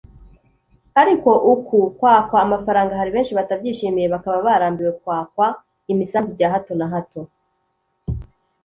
Ariko uku kwakwa amafaranga hari benshi batabyishimiye bakaba barambiwe kwakwa imisanzu bya hato na hato